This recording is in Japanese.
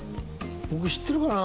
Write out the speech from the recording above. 僕知ってるかな？